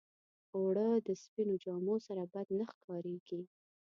اوړه د سپينو جامو سره بد نه ښکارېږي